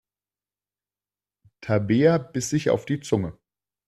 Tabea biss sich auf die Zunge.